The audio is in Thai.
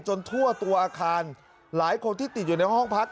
ทั่วตัวอาคารหลายคนที่ติดอยู่ในห้องพัก